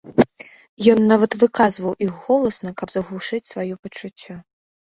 Ён нават выказваў іх голасна, каб заглушыць сваё пачуццё.